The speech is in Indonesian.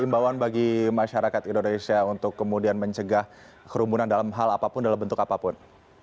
imbauan bagi masyarakat indonesia untuk kemudian mencegah kerumunan dalam hal apapun dalam bentuk apapun